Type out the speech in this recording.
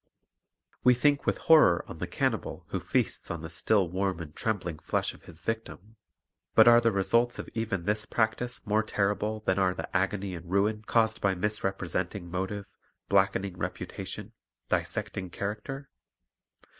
We think with horror of the cannibal who feasts on the still warm and trembling flesh of his victim; but are the results of even this practise more terrible than are the agony and ruin caused by misrepresenting motive, blackening reputation, dissecting character?